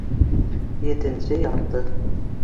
Етенсе ярты!..